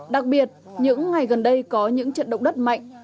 đặc biệt những ngày gần đây có những trận động đất mạnh